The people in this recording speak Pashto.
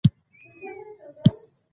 په خپل ځان باور ولرئ.